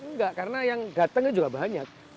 enggak karena yang datangnya juga banyak